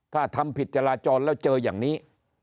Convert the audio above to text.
ถ้าทำผิดจราจรแล้วเจออย่างนี้